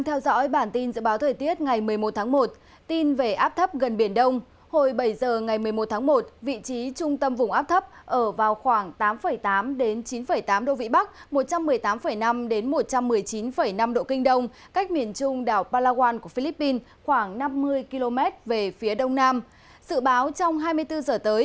phần cuối là những thông tin dự báo thời tiết